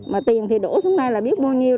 mà tiền thì đổ xuống đây là biết bao nhiêu